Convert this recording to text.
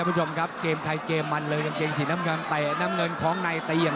ไปปะว่าชาญไทย